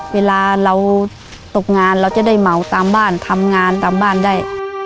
เวลาเราตกงานเราจะได้เหมาตามบ้านทำงานตามบ้านได้